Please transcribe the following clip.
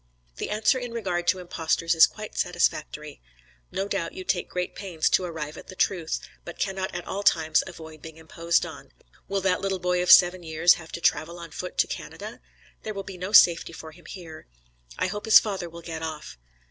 Thy answer in regard to impostors is quite satisfactory. No doubt you take great pains to arrive at the truth, but cannot at all times avoid being imposed on. Will that little boy of seven years have to travel on foot to Canada? There will be no safety for him here. I hope his father will get off.